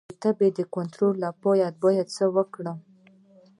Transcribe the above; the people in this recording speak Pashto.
د تبې د کنټرول لپاره باید څه وکړم؟